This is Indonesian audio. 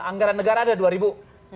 anggaran negara ada dua ribu